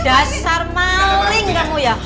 dasar maling kamu ya